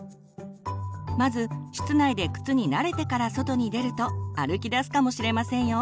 まず室内で靴に慣れてから外に出ると歩きだすかもしれませんよ。